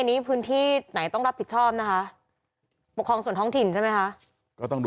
อันนี้พื้นที่ไหนต้องรับผิดชอบนะคะ